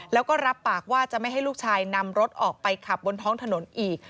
แล้วก็รับปากว่าจะไม่ให้ลูกชายนำรถออกไปขับบนท้องถนนอีก